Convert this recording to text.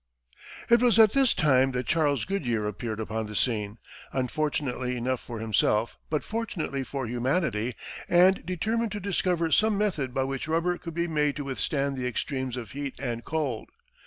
It was at this time that Charles Goodyear appeared upon the scene unfortunately enough for himself, but fortunately for humanity and determined to discover some method by which rubber could be made to withstand the extremes of heat and cold.